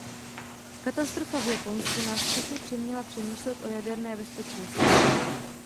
Katastrofa v Japonsku nás všechny přiměla přemýšlet o jaderné bezpečnosti.